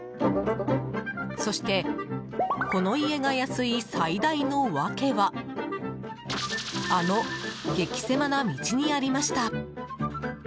そして、この家が安い最大のワケはあの激狭な道にありました。